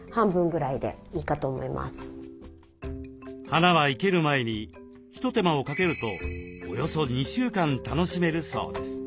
花は生ける前に一手間をかけるとおよそ２週間楽しめるそうです。